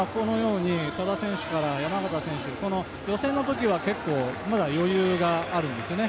多田選手から山縣選手、予選の時はまだ余裕があるんですね。